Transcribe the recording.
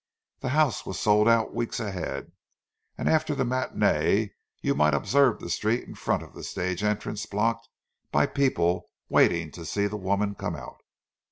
The house was sold out weeks ahead, and after the matinée you might observe the street in front of the stage entrance blocked by people waiting to see the woman come out.